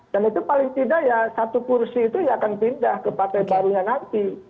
dan itu paling tidak satu kursi itu yang akan pindah ke partai barunya nanti